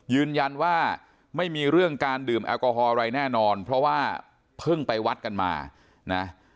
ยืนยันว่าไม่มีเรื่องการดื่มแอลกอฮอลอะไรแน่นอนเพราะว่าเพิ่งไปวัดกันมานะ